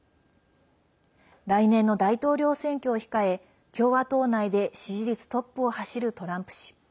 来年の大統領選挙を控え共和党内で支持率トップを走るトランプ氏。